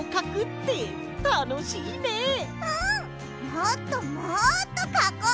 もっともっとかこう！